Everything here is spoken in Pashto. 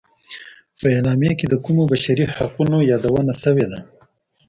په اعلامیه کې د کومو بشري حقونو یادونه شوې ده.